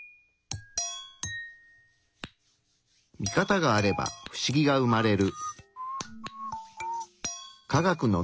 ミカタがあれば不思議が生まれる。